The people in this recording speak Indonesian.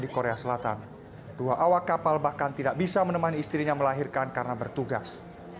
tidak ada yang bisa menemani istrinya melahirkan karena bertugas